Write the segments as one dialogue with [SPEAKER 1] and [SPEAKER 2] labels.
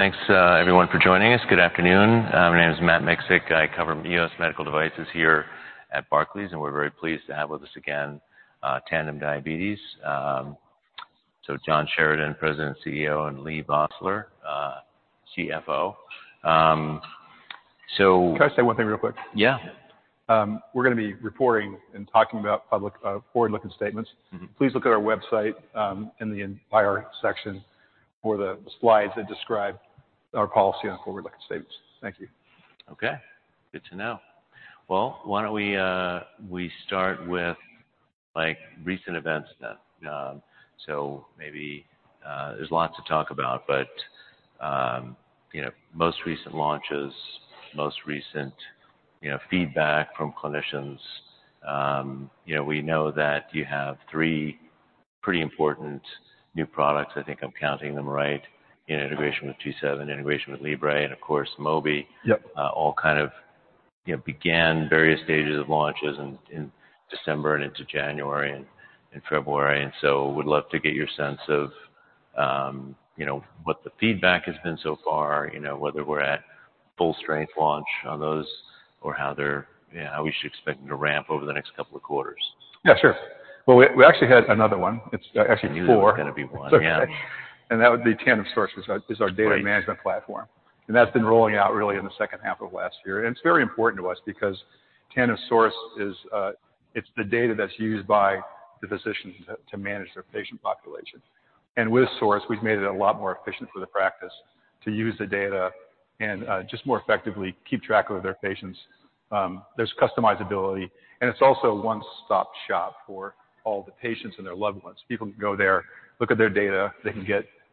[SPEAKER 1] Thanks, everyone for joining us. Good afternoon. My name is Matt Miksic. I cover US medical devices here at Barclays, and we're very pleased to have with us again, Tandem Diabetes. So John Sheridan, President and CEO, and Leigh Vosseller, CFO. So.
[SPEAKER 2] Can I say one thing real quick?
[SPEAKER 1] Yeah.
[SPEAKER 2] We're gonna be reporting and talking about public, forward-looking statements. Please look at our website, in the environment section for the slides that describe our policy on forward-looking statements. Thank you.
[SPEAKER 1] Okay. Good to know. Well, why don't we start with, like, recent events then. So maybe, there's lots to talk about, but, you know, most recent launches, most recent, you know, feedback from clinicians. You know, we know that you have three pretty important new products. I think I'm counting them right: integration with G7, integration with Libre, and of course, Mobi.
[SPEAKER 2] Yep.
[SPEAKER 1] All kind of, you know, began various stages of launches in December and into January and February. And so would love to get your sense of, you know, what the feedback has been so far, you know, whether we're at full-strength launch on those or how they're, you know, how we should expect them to ramp over the next couple of quarters.
[SPEAKER 2] Yeah, sure. Well, we actually had another one. It's actually four.
[SPEAKER 1] New is gonna be one. Yeah.
[SPEAKER 2] That would be Tandem Source is our data management platform. That's been rolling out really in the H2 of last year. It's very important to us because Tandem Source is, it's the data that's used by the physicians to manage their patient population. With Source, we've made it a lot more efficient for the practice to use the data and just more effectively keep track of their patients. There's customizability, and it's also a one-stop shop for all the patients and their loved ones. People can go there, look at their data. They can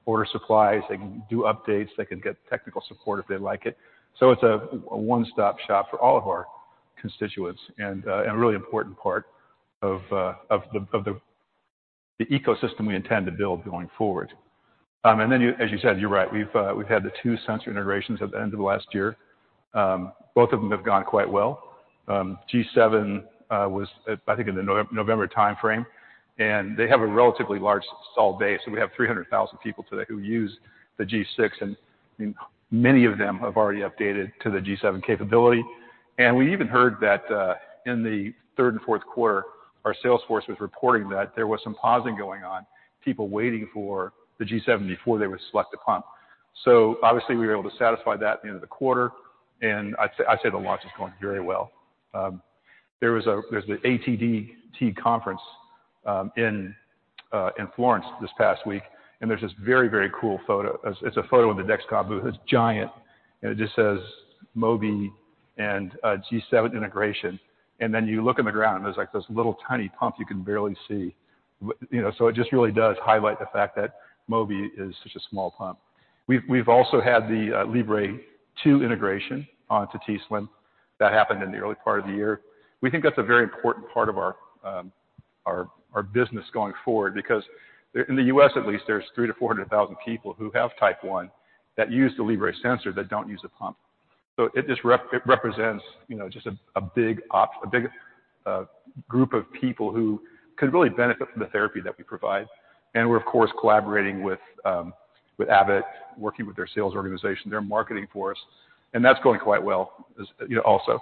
[SPEAKER 2] order supplies. They can do updates. They can get technical support if they'd like it. So it's a one-stop shop for all of our constituents and a really important part of the ecosystem we intend to build going forward. And then, as you said, you're right. We've had the two sensor integrations at the end of last year. Both of them have gone quite well. G7 was, I think, in the November timeframe. And they have a relatively large user base. So we have 300,000 people today who use the G6. And, I mean, many of them have already updated to the G7 capability. And we even heard that, in the third and Q4, our sales force was reporting that there was some pausing going on, people waiting for the G7 before they would select a pump. So obviously, we were able to satisfy that at the end of the quarter. And I'd say the launch is going very well. There was the ATTD conference in Florence this past week. And there's this very, very cool photo. It's a photo in the Dexcom booth. It's giant. And it just says Mobi and G7 integration. And then you look on the ground, and there's like this little tiny pump you can barely see. But you know, so it just really does highlight the fact that Mobi is such a small pump. We've also had the Libre 2 integration onto t:slim. That happened in the early part of the year. We think that's a very important part of our business going forward because there, in the US, at least, there's 300,000-400,000 people who have type 1 that use the Libre sensor that don't use a pump. So it just represents, you know, just a big opportunity, a big group of people who could really benefit from the therapy that we provide. And we're, of course, collaborating with Abbott, working with their sales organization. They're marketing for us. And that's going quite well as you know, also.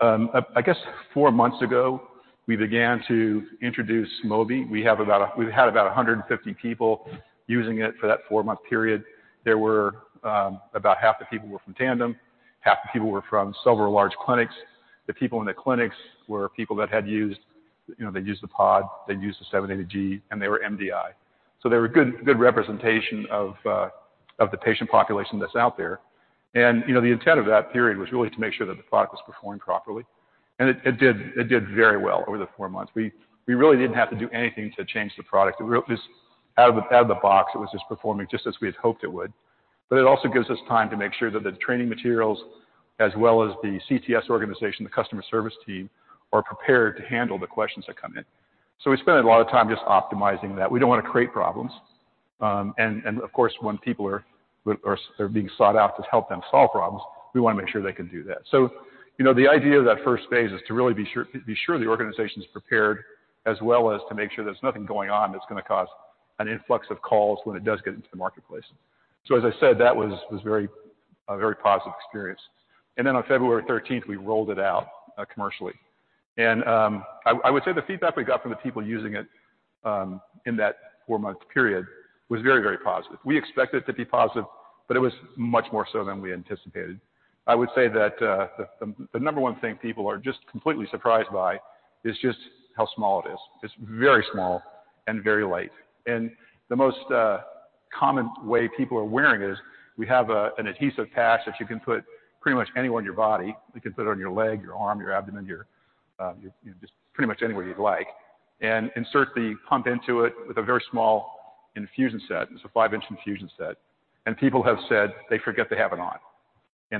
[SPEAKER 2] I guess four months ago, we began to introduce Mobi. We've had about 150 people using it for that four-month period. There were about half the people were from Tandem. Half the people were from several large clinics. The people in the clinics were people that had used you know, they used the pod. They used the 780G. And they were MDI. So they were good representation of the patient population that's out there. And you know, the intent of that period was really to make sure that the product was performing properly. And it did very well over the four months. We really didn't have to do anything to change the product. It really just out of the box, it was just performing just as we had hoped it would. But it also gives us time to make sure that the training materials, as well as the CTS organization, the customer service team, are prepared to handle the questions that come in. So we spend a lot of time just optimizing that. We don't wanna create problems. And of course, when people are being sought out to help them solve problems, we wanna make sure they can do that. So, you know, the idea of that first phase is to really be sure the organization's prepared as well as to make sure there's nothing going on that's gonna cause an influx of calls when it does get into the marketplace. So as I said, that was very, very positive experience. And then on February 13th, we rolled it out, commercially. And I would say the feedback we got from the people using it, in that four-month period was very, very positive. We expected it to be positive, but it was much more so than we anticipated. I would say that the number one thing people are just completely surprised by is just how small it is. It's very small and very light. And the most common way people are wearing it is we have an adhesive patch that you can put pretty much anywhere on your body. You can put it on your leg, your arm, your abdomen, you know, just pretty much anywhere you'd like, and insert the pump into it with a very small infusion set. It's a five-inch infusion set. And people have said they forget to have it on.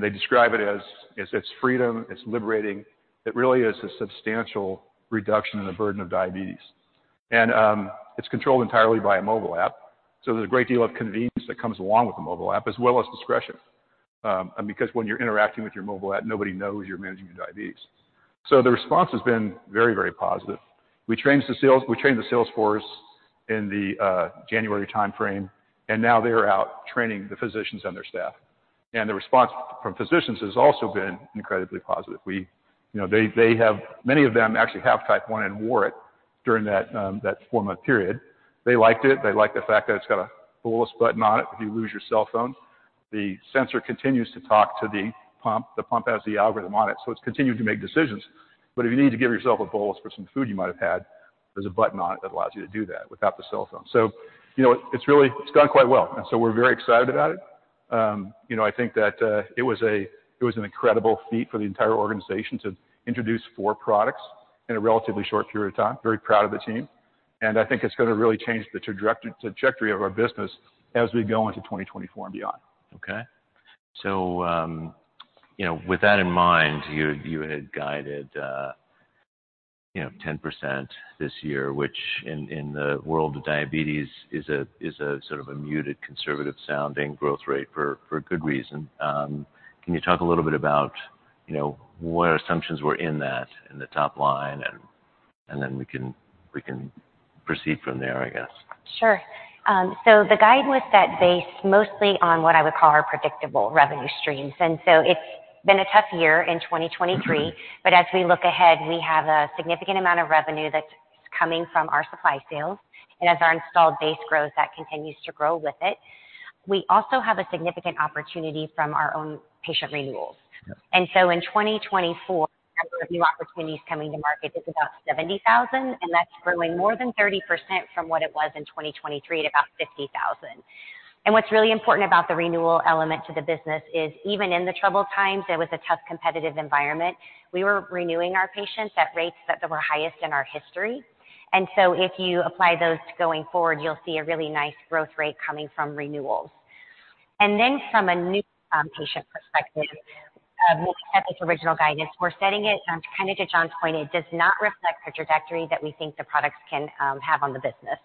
[SPEAKER 2] They describe it as it's freedom. It's liberating. It really is a substantial reduction in the burden of diabetes. It's controlled entirely by a mobile app. So there's a great deal of convenience that comes along with the mobile app as well as discretion, because when you're interacting with your mobile app, nobody knows you're managing your diabetes. So the response has been very, very positive. We trained the sales force in the January timeframe. And now they're out training the physicians and their staff. And the response from physicians has also been incredibly positive. We, you know, they have many of them actually have Type 1 and wore it during that four-month period. They liked it. They liked the fact that it's got a bolus button on it if you lose your cell phone. The sensor continues to talk to the pump. The pump has the algorithm on it. So it's continued to make decisions. But if you need to give yourself a bolus for some food you might have had, there's a button on it that allows you to do that without the cell phone. So, you know, it's really gone quite well. And so we're very excited about it. You know, I think that it was an incredible feat for the entire organization to introduce four products in a relatively short period of time. Very proud of the team. And I think it's gonna really change the trajectory of our business as we go into 2024 and beyond.
[SPEAKER 1] Okay. So, you know, with that in mind, you had guided, you know, 10% this year, which in the world of diabetes is a sort of a muted, conservative-sounding growth rate for good reason. Can you talk a little bit about, you know, what assumptions were in that, in the top line? And then we can proceed from there, I guess.
[SPEAKER 3] Sure. So the guide was set based mostly on what I would call our predictable revenue streams. So it's been a tough year in 2023. As we look ahead, we have a significant amount of revenue that's coming from our supply sales. As our installed base grows, that continues to grow with it. We also have a significant opportunity from our own patient renewals.
[SPEAKER 1] Yep.
[SPEAKER 3] In 2024, the number of new opportunities coming to market is about 70,000. That's growing more than 30% from what it was in 2023 at about 50,000. What's really important about the renewal element to the business is even in the troubled times, it was a tough competitive environment. We were renewing our patients at rates that were highest in our history. If you apply those going forward, you'll see a really nice growth rate coming from renewals. Then from a new patient perspective, when we set this original guidance, we're setting it, kinda to John's point, it does not reflect the trajectory that we think the products can have on the business.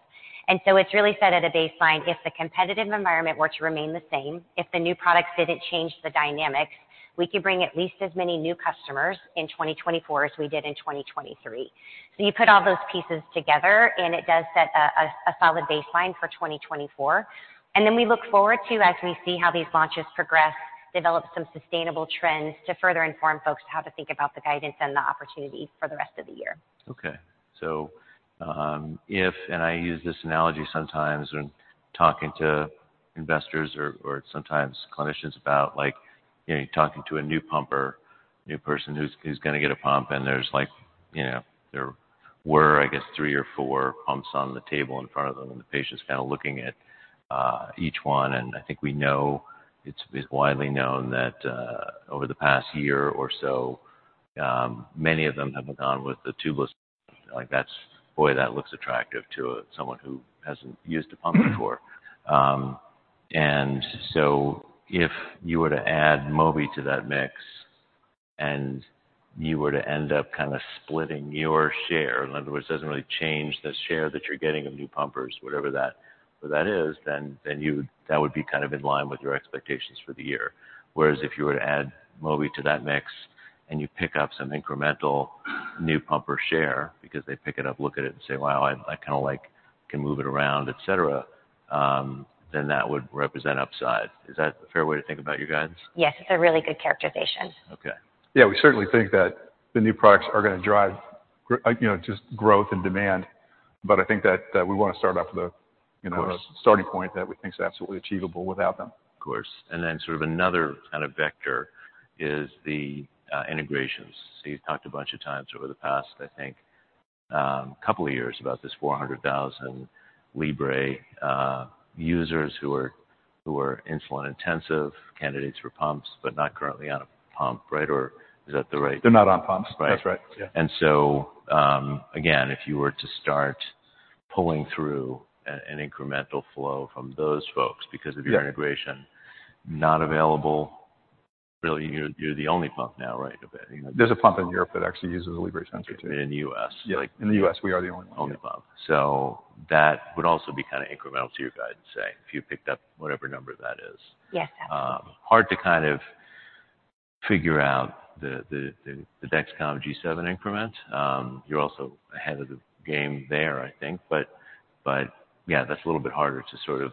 [SPEAKER 3] And so it's really set at a baseline if the competitive environment were to remain the same, if the new products didn't change the dynamics, we could bring at least as many new customers in 2024 as we did in 2023. So you put all those pieces together, and it does set a solid baseline for 2024. And then we look forward to, as we see how these launches progress, develop some sustainable trends to further inform folks how to think about the guidance and the opportunity for the rest of the year.
[SPEAKER 1] Okay. So, I use this analogy sometimes when talking to investors or sometimes clinicians about, like, you know, talking to a new pumper, new person who's gonna get a pump, and there's, like, you know, there were, I guess, three or four pumps on the table in front of them, and the patient's kinda looking at each one. I think we know it's widely known that, over the past year or so, many of them have gone with the tubeless pump. Like, that's, boy, that looks attractive to someone who hasn't used a pump before. And so if you were to add Mobi to that mix, and you were to end up kinda splitting your share in other words, it doesn't really change the share that you're getting of new pumpers, whatever that, what that is, then that would be kind of in line with your expectations for the year. Whereas if you were to add Mobi to that mix, and you pick up some incremental new pumper share because they pick it up, look at it, and say, "Wow, I kinda like can move it around," etc., then that would represent upside. Is that a fair way to think about your guidance?
[SPEAKER 3] Yes. It's a really good characterization.
[SPEAKER 1] Okay.
[SPEAKER 2] Yeah. We certainly think that the new products are gonna drive, you know, just growth and demand. But I think that we wanna start off with, you know.
[SPEAKER 1] Of course.
[SPEAKER 2] Starting point that we think's absolutely achievable without them.
[SPEAKER 1] Of course. And then sort of another kind of vector is the integrations. So you've talked a bunch of times over the past, I think, couple of years about this 400,000 Libre users who are insulin-intensive candidates for pumps but not currently on a pump, right? Or is that the right?
[SPEAKER 2] They're not on pumps.
[SPEAKER 1] Right.
[SPEAKER 2] That's right. Yeah.
[SPEAKER 1] And so, again, if you were to start pulling through an incremental flow from those folks because of your.
[SPEAKER 2] Yeah.
[SPEAKER 1] Integration, not available really. You're the only pump now, right? Of it, you know?
[SPEAKER 2] There's a pump in Europe that actually uses a Libre sensor too.
[SPEAKER 1] In the U.S.
[SPEAKER 2] Yeah.
[SPEAKER 1] Like.
[SPEAKER 2] In the U.S., we are the only one.
[SPEAKER 1] Only pump. So that would also be kinda incremental to your guidance, say, if you picked up whatever number that is.
[SPEAKER 3] Yes. Absolutely.
[SPEAKER 1] hard to kind of figure out the Dexcom G7 increment. You're also ahead of the game there, I think. But yeah, that's a little bit harder to sort of,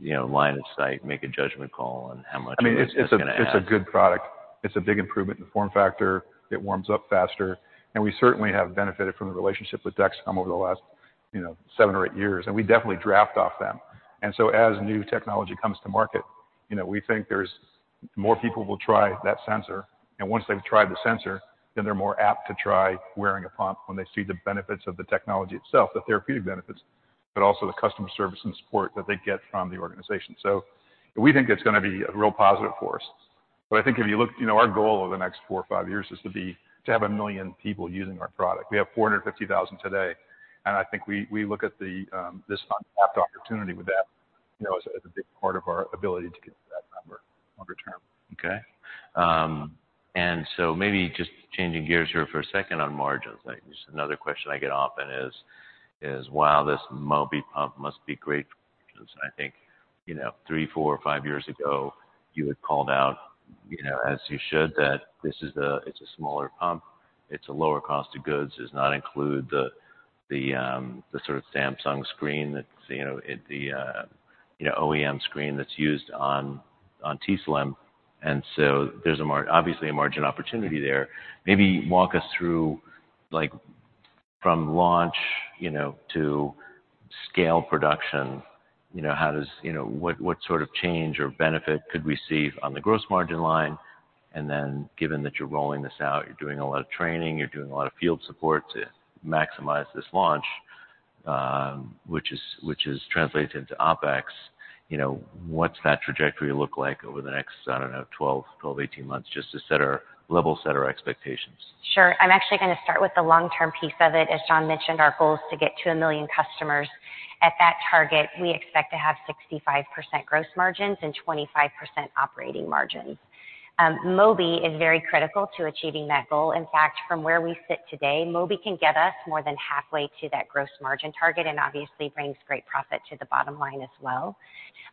[SPEAKER 1] you know, line of sight, make a judgment call on how much it's gonna add.
[SPEAKER 2] I mean, it's a good product. It's a big improvement in the form factor. It warms up faster. And we certainly have benefited from the relationship with Dexcom over the last, you know, 7 or 8 years. And we definitely draft off them. And so as new technology comes to market, you know, we think there's more people will try that sensor. And once they've tried the sensor, then they're more apt to try wearing a pump when they see the benefits of the technology itself, the therapeutic benefits, but also the customer service and support that they get from the organization. So we think it's gonna be a real positive force. But I think if you look you know, our goal over the next 4 or 5 years is to be to have a million people using our product. We have 450,000 today. I think we look at this untapped opportunity with that, you know, as a big part of our ability to get to that number longer term.
[SPEAKER 1] Okay. And so maybe just changing gears here for a second on margins, right? Just another question I get often is, "Wow, this Mobi pump must be great for margins." And I think, you know, 3, 4, 5 years ago, you had called out, you know, as you should, that this is; it's a smaller pump. It's a lower cost of goods. It does not include the sort of Samsung screen that's, you know, the OEM screen that's used on t:slim. And so there's obviously a margin opportunity there. Maybe walk us through, like, from launch, you know, to scale production, you know, how does—what sort of change or benefit could we see on the gross margin line? And then given that you're rolling this out, you're doing a lot of training. You're doing a lot of field support to maximize this launch, which translates into OpEx, you know, what's that trajectory look like over the next, I don't know, 12, 12, 18 months just to set our level set our expectations?
[SPEAKER 3] Sure. I'm actually gonna start with the long-term piece of it. As John mentioned, our goal is to get to 1 million customers. At that target, we expect to have 65% gross margins and 25% operating margins. Mobi is very critical to achieving that goal. In fact, from where we sit today, Mobi can get us more than halfway to that gross margin target and obviously brings great profit to the bottom line as well.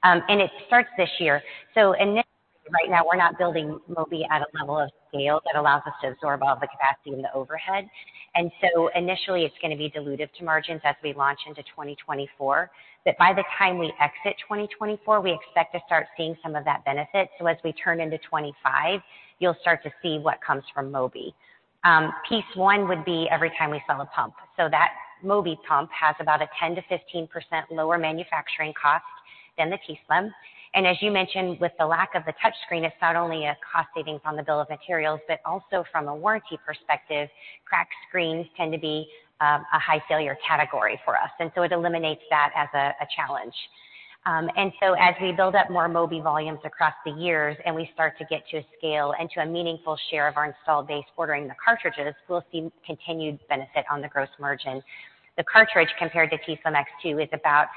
[SPEAKER 3] And it starts this year. So initially, right now, we're not building Mobi at a level of scale that allows us to absorb all the capacity and the overhead. And so initially, it's gonna be dilutive to margins as we launch into 2024. But by the time we exit 2024, we expect to start seeing some of that benefit. So as we turn into 2025, you'll start to see what comes from Mobi. Piece one would be every time we sell a pump. So that Mobi pump has about a 10%-15% lower manufacturing cost than the t:slim. And as you mentioned, with the lack of the touchscreen, it's not only a cost savings on the bill of materials but also from a warranty perspective, cracked screens tend to be a high-failure category for us. And so it eliminates that as a challenge. And so as we build up more Mobi volumes across the years and we start to get to a scale and to a meaningful share of our installed base ordering the cartridges, we'll see continued benefit on the gross margin. The cartridge compared to t:slim X2 is about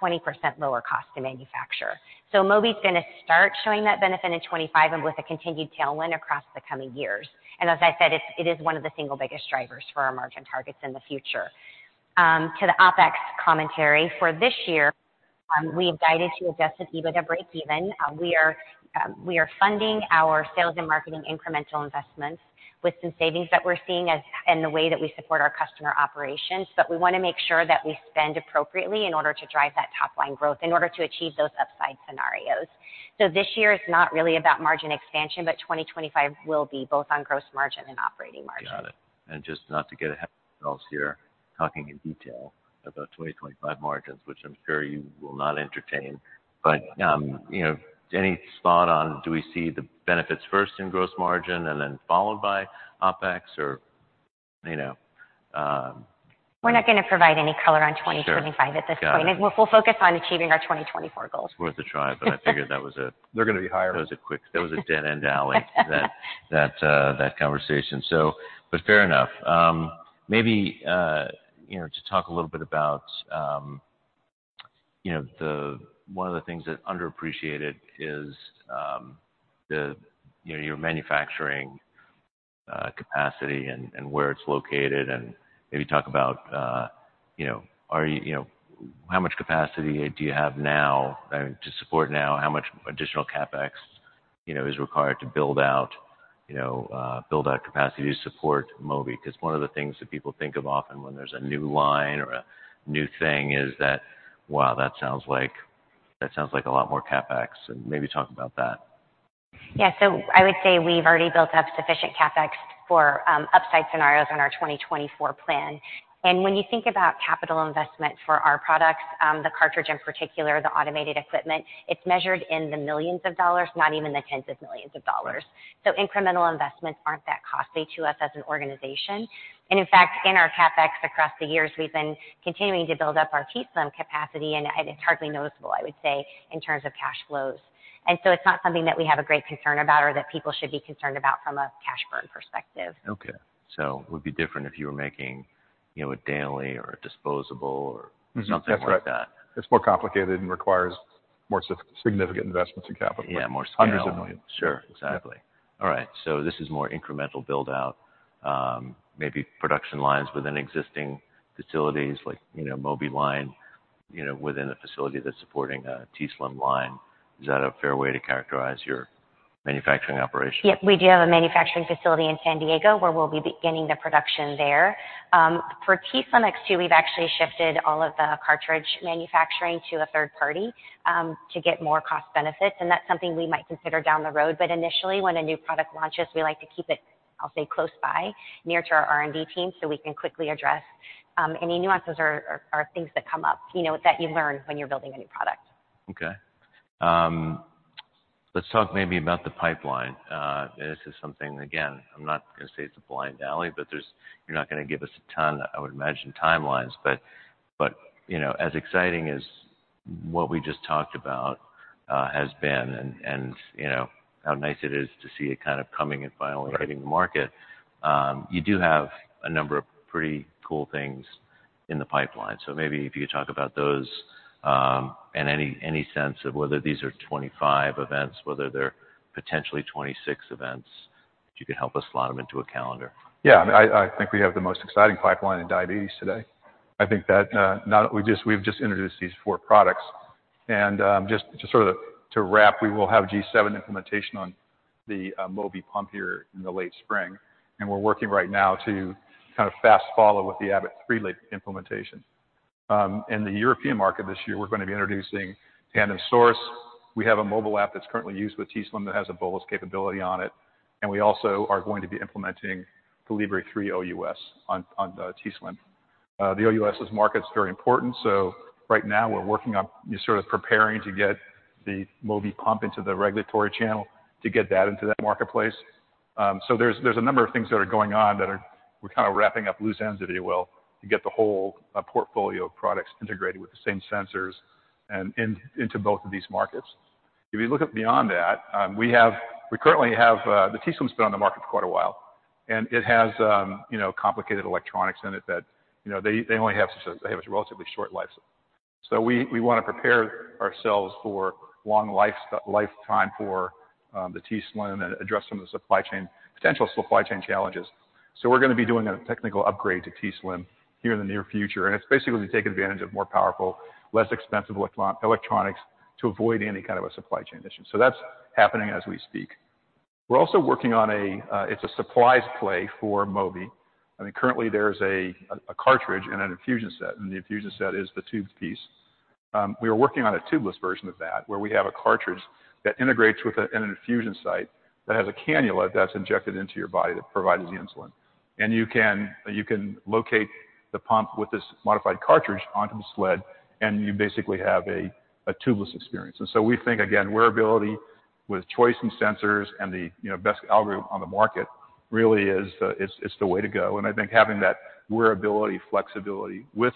[SPEAKER 3] 20% lower cost to manufacture. So Mobi's gonna start showing that benefit in 2025 and with a continued tailwind across the coming years. As I said, it is one of the single biggest drivers for our margin targets in the future. To the OpEx commentary, for this year, we have guided to adjusted EBITDA breakeven. We are funding our sales and marketing incremental investments with some savings that we're seeing as in the way that we support our customer operations. But we wanna make sure that we spend appropriately in order to drive that top-line growth in order to achieve those upside scenarios. So this year is not really about margin expansion, but 2025 will be both on gross margin and operating margin.
[SPEAKER 1] Got it. And just not to get ahead of ourselves here, talking in detail about 2025 margins, which I'm sure you will not entertain, but, you know, any thought on do we see the benefits first in gross margin and then followed by OPEX or, you know?
[SPEAKER 3] We're not gonna provide any color on 2025 at this point.
[SPEAKER 1] Sure.
[SPEAKER 3] We'll focus on achieving our 2024 goals.
[SPEAKER 1] Worth a try. But I figured that was a.
[SPEAKER 2] They're gonna be higher.
[SPEAKER 1] That was a quick dead-end alley, that conversation. But fair enough. Maybe, you know, to talk a little bit about, you know, one of the things that's underappreciated is the, you know, your manufacturing capacity and where it's located. And maybe talk about, you know, how much capacity do you have now, I mean, to support now? How much additional CapEx, you know, is required to build out capacity to support Mobi? 'Cause one of the things that people think of often when there's a new line or a new thing is that, "Wow, that sounds like a lot more CapEx." And maybe talk about that.
[SPEAKER 3] Yeah. So I would say we've already built up sufficient CapEx for upside scenarios on our 2024 plan. And when you think about capital investment for our products, the cartridge in particular, the automated equipment, it's measured in the millions of dollars, not even the tens of millions of dollars. So incremental investments aren't that costly to us as an organization. And in fact, in our CapEx across the years, we've been continuing to build up our t:slim capacity. And it's hardly noticeable, I would say, in terms of cash flows. And so it's not something that we have a great concern about or that people should be concerned about from a cash burn perspective.
[SPEAKER 1] Okay. So it would be different if you were making, you know, a daily or a disposable or something like that.
[SPEAKER 2] That's right. It's more complicated and requires more significant investments in capital.
[SPEAKER 1] Yeah. More size.
[SPEAKER 2] hundreds of millions.
[SPEAKER 1] Sure. Exactly. All right. So this is more incremental build-out, maybe production lines within existing facilities like, you know, Mobi line, you know, within the facility that's supporting a t:slim line. Is that a fair way to characterize your manufacturing operations?
[SPEAKER 3] Yep. We do have a manufacturing facility in San Diego where we'll be beginning the production there. For t:slim X2, we've actually shifted all of the cartridge manufacturing to a third party, to get more cost benefits. And that's something we might consider down the road. But initially, when a new product launches, we like to keep it, I'll say, close by, near to our R&D team so we can quickly address any nuances or things that come up, you know, that you learn when you're building a new product.
[SPEAKER 1] Okay. Let's talk maybe about the pipeline. This is something again. I'm not gonna say it's a blind alley, but there's you're not gonna give us a ton, I would imagine, timelines. But, but, you know, as exciting as what we just talked about has been and, and, you know, how nice it is to see it kind of coming and finally hitting the market, you do have a number of pretty cool things in the pipeline. So maybe if you could talk about those, and any, any sense of whether these are 25 events, whether they're potentially 26 events, if you could help us slot them into a calendar.
[SPEAKER 2] Yeah. I mean, I think we have the most exciting pipeline in diabetes today. I think that not just we've just introduced these four products. And just sort of to wrap, we will have G7 implementation on the Mobi pump here in the late spring. And we're working right now to kind of fast follow with the Abbott Libre 3 implementation. In the European market this year, we're gonna be introducing Tandem Source. We have a mobile app that's currently used with t:slim that has a bolus capability on it. And we also are going to be implementing the Libre 3 OUS on t:slim. The OUS market is very important. So right now, we're sort of preparing to get the Mobi pump into the regulatory channel to get that into that marketplace. So there's a number of things that are going on that we're kind of wrapping up loose ends, if you will, to get the whole portfolio of products integrated with the same sensors and into both of these markets. If you look beyond that, we currently have the t:slim's been on the market for quite a while. And it has, you know, complicated electronics in it that, you know, they only have a relatively short life. So we wanna prepare ourselves for long lifetime for the t:slim and address some of the potential supply chain challenges. So we're gonna be doing a technical upgrade to t:slim here in the near future. And it's basically take advantage of more powerful, less expensive electronics to avoid any kind of a supply chain issue. So that's happening as we speak. We're also working on a, it's a supplies play for Mobi. I mean, currently, there's a, a cartridge and an infusion set. And the infusion set is the tubed piece. We were working on a tubeless version of that where we have a cartridge that integrates with a and an infusion site that has a cannula that's injected into your body that provides the insulin. And you can you can locate the pump with this modified cartridge onto the sled. And you basically have a, a tubeless experience. And so we think, again, wearability with choice and sensors and the, you know, best algorithm on the market really is the it's, it's the way to go. I think having that wearability, flexibility with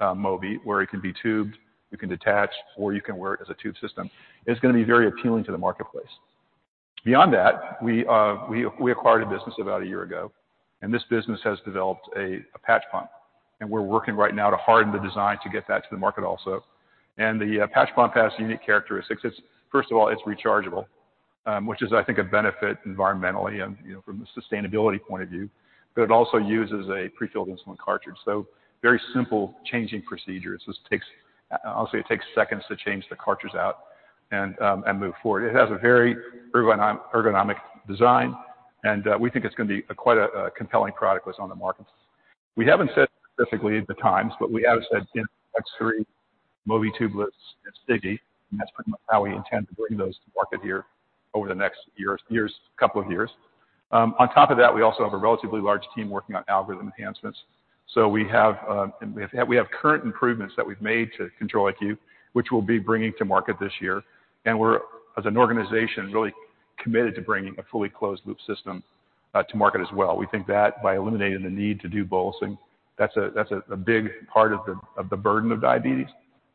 [SPEAKER 2] Mobi where it can be tubed, you can detach, or you can wear it as a tube system is gonna be very appealing to the marketplace. Beyond that, we acquired a business about a year ago. And this business has developed a patch pump. And we're working right now to harden the design to get that to the market also. And the patch pump has unique characteristics. It's first of all rechargeable, which is, I think, a benefit environmentally and, you know, from a sustainability point of view. But it also uses a prefilled insulin cartridge. So very simple changing procedures. This takes honestly seconds to change the cartridge out and move forward. It has a very ergonomic design. And we think it's gonna be quite a compelling product list on the market. We haven't said specifically the times, but we have said in X3, Mobi tubeless, and Sigi. And that's pretty much how we intend to bring those to market here over the next couple of years. On top of that, we also have a relatively large team working on algorithm enhancements. So we have current improvements that we've made to Control-IQ, which we'll be bringing to market this year. And we're, as an organization, really committed to bringing a fully closed-loop system to market as well. We think that by eliminating the need to do bolusing, that's a big part of the burden of diabetes.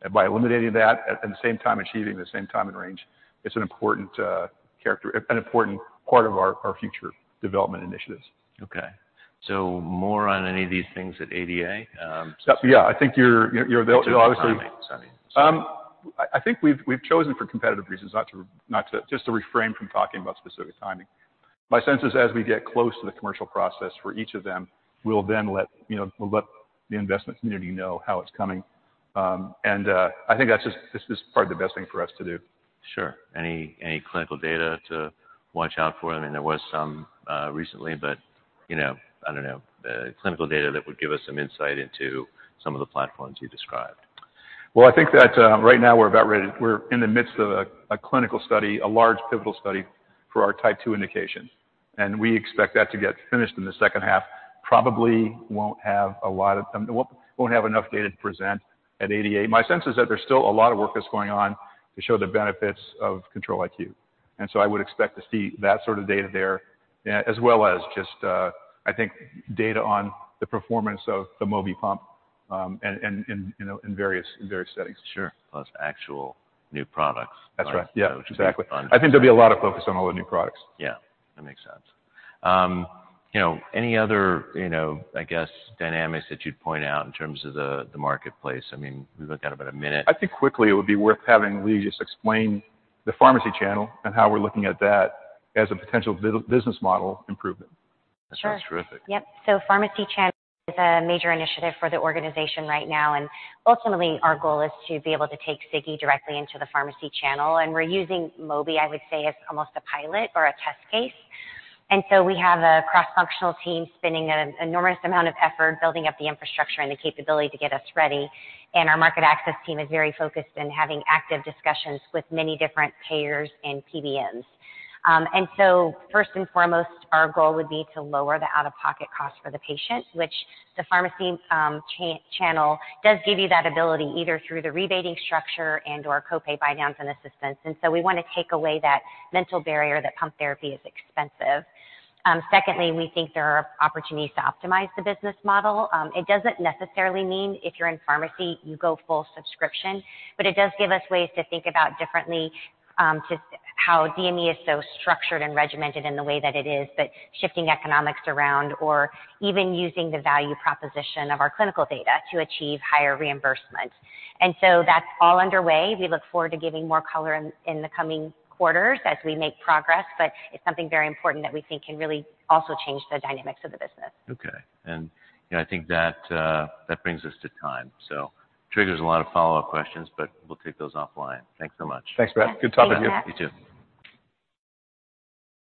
[SPEAKER 2] And by eliminating that and at the same time achieving the same time and range, it's an important part of our future development initiatives.
[SPEAKER 1] Okay. So more on any of these things at ADA, specifically?
[SPEAKER 2] Yeah. I think you're they'll obviously.
[SPEAKER 1] Timing. Sorry.
[SPEAKER 2] I think we've chosen for competitive reasons not to just refrain from talking about specific timing. My sense is as we get close to the commercial process for each of them, we'll then let you know we'll let the investment community know how it's coming. I think that's just this is probably the best thing for us to do.
[SPEAKER 1] Sure. Any clinical data to watch out for? I mean, there was some, recently, but, you know, I don't know, clinical data that would give us some insight into some of the platforms you described.
[SPEAKER 2] Well, I think that, right now, we're in the midst of a clinical study, a large pivotal study for our Type 2 indication. We expect that to get finished in the H2. Probably won't have enough data to present at ADA. My sense is that there's still a lot of work that's going on to show the benefits of Control-IQ. I would expect to see that sort of data there, as well as just, I think, data on the performance of the Mobi pump, and, you know, in various settings.
[SPEAKER 1] Sure. Plus actual new products.
[SPEAKER 2] That's right. Yeah. Exactly.
[SPEAKER 1] which is fun to see.
[SPEAKER 2] I think there'll be a lot of focus on all the new products.
[SPEAKER 1] Yeah. That makes sense. You know, any other, you know, I guess, dynamics that you'd point out in terms of the marketplace? I mean, we've only got about a minute.
[SPEAKER 2] I think quickly, it would be worth having Leigh just explain the pharmacy channel and how we're looking at that as a potential bi-business model improvement.
[SPEAKER 3] Sure.
[SPEAKER 1] That sounds terrific.
[SPEAKER 3] Yep. So pharmacy channel is a major initiative for the organization right now. And ultimately, our goal is to be able to take Sigi directly into the pharmacy channel. And we're using Mobi, I would say, as almost a pilot or a test case. And so we have a cross-functional team spending an enormous amount of effort building up the infrastructure and the capability to get us ready. And our market access team is very focused on having active discussions with many different payers and PBMs. And so first and foremost, our goal would be to lower the out-of-pocket cost for the patient, which the pharmacy channel does give you that ability either through the rebating structure and/or copay buy-downs and assistance. And so we wanna take away that mental barrier that pump therapy is expensive. Secondly, we think there are opportunities to optimize the business model. It doesn't necessarily mean if you're in pharmacy, you go full subscription. But it does give us ways to think about differently, to show how DME is so structured and regimented in the way that it is, but shifting economics around or even using the value proposition of our clinical data to achieve higher reimbursement. And so that's all underway. We look forward to giving more color in, in the coming quarters as we make progress. But it's something very important that we think can really also change the dynamics of the business.
[SPEAKER 1] Okay. You know, I think that brings us to time. So triggers a lot of follow-up questions, but we'll take those offline. Thanks so much.
[SPEAKER 2] Thanks, Matt. Good talking to you.
[SPEAKER 1] Thanks, Andrea. You too.